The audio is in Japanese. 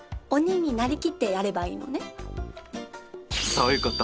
そういうこと！